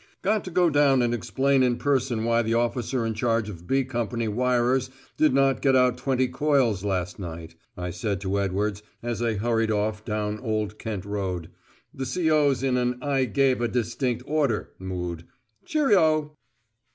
"Got to go down and explain in person why the officer in charge of 'B' Company wirers did not get out twenty coils last night," I said to Edwards as I hurried off down Old Kent Road. "The C.O.'s in an 'I gave a distinct order' mood. Cheero!"